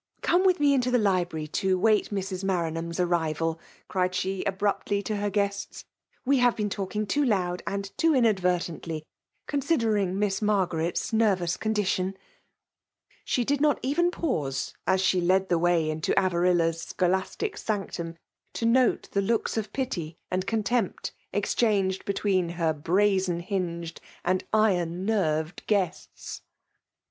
" Come with me into the library to wait Mrs. Maranham's arrival/' cried ahe abruptly to her guests ;" we have been talking too loud and too inadvertently, considering Miss Marp garet s nervous condition," She did not even pause, as she led the waji^ into Avarilla*s scholastic sanctum, to note thp looks of pity and contempt exchanged betweei^ lier brazen hinged and iron nerved guests.